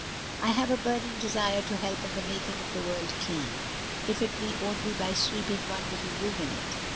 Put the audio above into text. "I have a burning desire to help in the making of the world clean, if it be only by sweeping one little room in it.